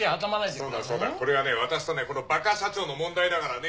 そうだそうだこれはね私とねこのバカ社長の問題だからね。